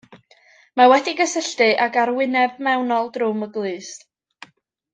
Mae wedi'i gysylltu ag arwyneb mewnol drwm y glust.